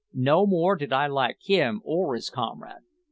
No more did I like him or his comrade.